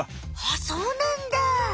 あっそうなんだ！